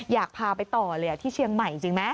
อยากพาไปต่อเลยที่เชียงใหม่จริงไหม